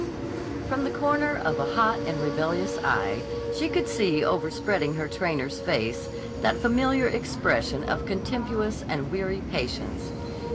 From the corner of a hot and rebellious eye she could see overspreading her trainer's face that familiar expression of contemptuous and weary patience.